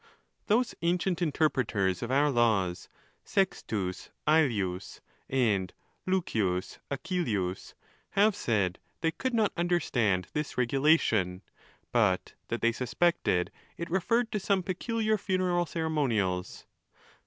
Those ancient interpreters of our laws, Sextus Ailius, and Lucius Acilius, have said they could not understand this regulation, but that they suspected it referred to some peculiar funeral ceremonials.